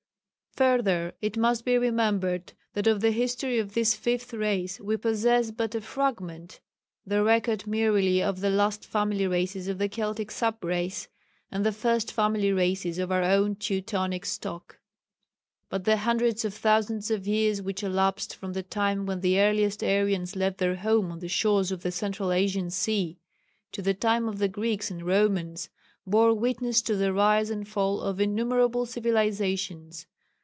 Further, it must be remembered that of the history of this Fifth Race we possess but a fragment the record merely of the last family races of the Keltic sub race, and the first family races of our own Teutonic stock. But the hundreds of thousands of years which elapsed from the time when the earliest Aryans left their home on the shores of the central Asian Sea to the time of the Greeks and Romans, bore witness to the rise and fall of innumerable civilizations.